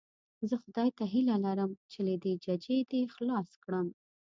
زه خدای ته هیله لرم چې له دې ججې دې خلاص کړم.